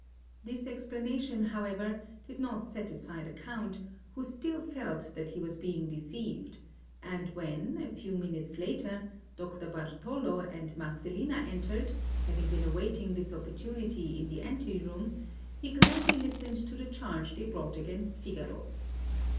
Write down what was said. This explanation, however, did not satisfy the Count, who still felt that he was being deceived; and when, a few minutes later, Dr Bartolo and Marcellina entered, having been awaiting this opportunity in the ante room, he gladly listened to the charge they brought against Figaro.